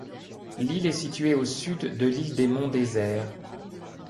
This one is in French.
L'île est située au sud de l'île des Monts Déserts.